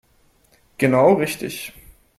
Genau richtig.